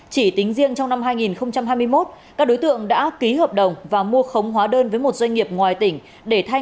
chỉ tính riêng trong năm hai nghìn hai mươi một các đối tượng đã ký hợp đồng và mua khống hóa đơn với một doanh nghiệp ngoài tỉnh để thay